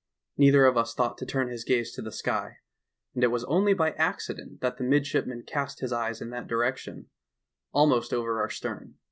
Neither of us thought to turn his gaze to the sky, and it was only by accident that the midshipman cast his eyes in that direction — almost over our stern.